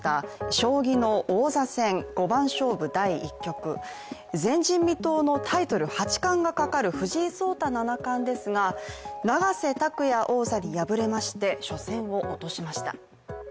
将棋の王座戦五番勝負第１局前人未到のタイトル八冠がかかる藤井聡太七冠ですが、永瀬拓矢王座に敗れまして、初戦を落としました。